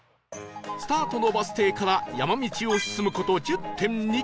スタートのバス停から山道を進む事 １０．２ キロ